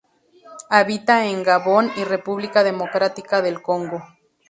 Habita en Gabón y República Democrática del Congo.